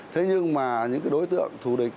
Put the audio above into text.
thế nhưng mà những đối tượng thù địch